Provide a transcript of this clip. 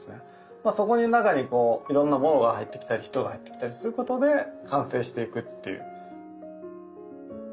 まあそこの中にこういろんなものが入ってきたり人が入ってきたりすることで完成していくっていう。